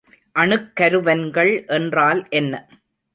அணுக்கருவன்கள் என்றால் என்ன?